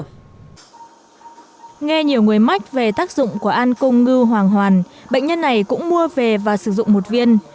nghe nhiều người mách về tác dụng của an cung ngư hoàng hoàn bệnh nhân này cũng mua về và sử dụng một viên